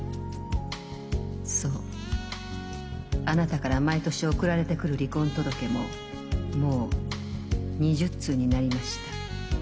そうあなたから毎年送られてくる離婚届ももう２０通になりました。